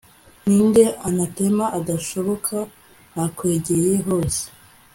Ninde anathema idashoboka nakwegeye hose